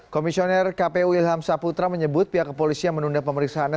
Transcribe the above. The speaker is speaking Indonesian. komisioner kpu ilham saputra menyebut pihak kepolisian menunda pemeriksaannya